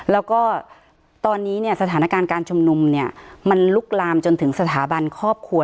แล้วก็ตอนนี้เนี่ยสถานการณ์การชุมนุมเนี่ยมันลุกลามจนถึงสถาบันครอบครัว